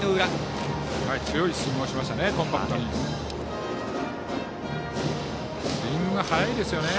強いスイングしましたね。